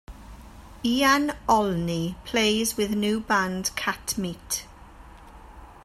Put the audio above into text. Ian Olney plays with new band Cat Meat.